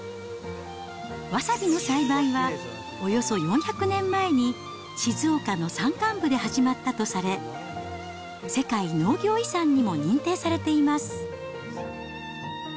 わさびの栽培は、およそ４００年前に静岡の山間部で始まったとされ、世界農業遺産にも認定されています。